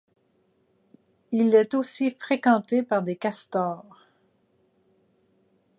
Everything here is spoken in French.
Il est aussi fréquenté par des castors.